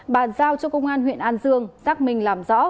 bàn giao cho công an huyện an dương xác minh làm rõ